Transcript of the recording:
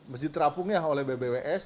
masjid terapung yang oleh bbws